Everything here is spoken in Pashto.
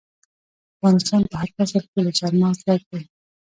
افغانستان په هر فصل کې له چار مغز ډک دی.